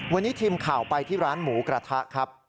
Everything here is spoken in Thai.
วันนี้ทีมข่าวไปที่ร้านหมูกระทะครับ